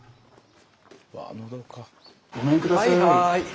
ごめんください。